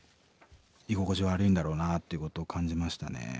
居心地悪いんだろうなっていうことを感じましたね。